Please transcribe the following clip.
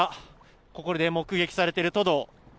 ここで目撃されているトド。